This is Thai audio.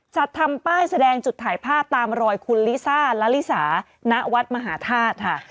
จัดทำป้ายแสดงจุดถ่ายภาพตามรอยคุณลิซ่าละลิสาณวัดมหาธาตุค่ะ